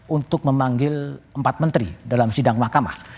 untuk memanggil empat menteri dalam sidang mahkamah